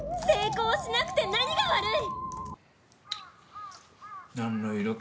成功しなくて何が悪い！